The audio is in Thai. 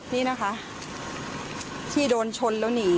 นี่นะคะที่โดนชนแล้วหนี